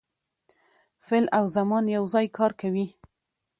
فعل او زمان یو ځای کار کوي.